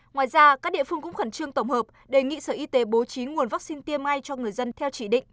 ngoài ra các địa phương cũng khẩn trương tổng hợp đề nghị sở y tế bố trí nguồn vaccine tiêm ngay cho người dân theo chỉ định